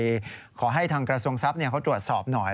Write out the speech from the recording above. ขอให้ทางกระทรวงทรัพย์เขาตรวจสอบหน่อย